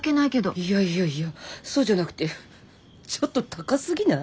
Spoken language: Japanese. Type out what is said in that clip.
いやいやいやそうじゃなくてちょっと高すぎない？